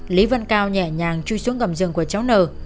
lý văn cao nhẹ nhàng chui xuống gầm giường của cháu n